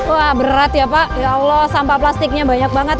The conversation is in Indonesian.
wah berat ya pak ya allah sampah plastiknya banyak banget